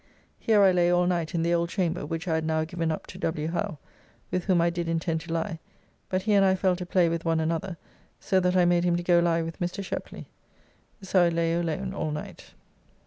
Here I lay all night in the old chamber which I had now given up to W. Howe, with whom I did intend to lie, but he and I fell to play with one another, so that I made him to go lie with Mr. Sheply. So I lay alone all night.